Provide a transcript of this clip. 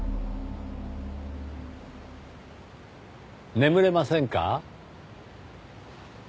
眠れませんか？